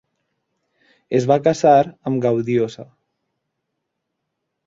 Es va casar amb Gaudiosa.